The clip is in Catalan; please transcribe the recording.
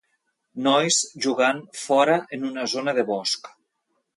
Nois jugant fora en una zona de bosc.